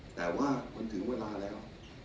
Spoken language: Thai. แต่ว่ามันถึงเวลาแล้ว